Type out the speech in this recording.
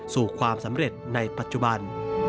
สู่ความสำเร็จในปัจจุบัน